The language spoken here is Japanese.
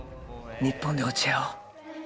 日本で落ち合おう。